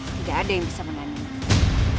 tidak ada yang bisa mengandung